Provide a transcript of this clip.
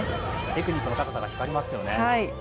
テクニックの高さが光りますよね。